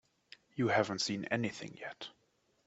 You haven't seen anything yet.